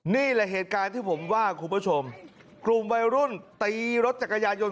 นี่แหละเหตุการณ์ที่ผมว่าคุณผู้ชมกลุ่มวัยรุ่นตีรถจักรยายน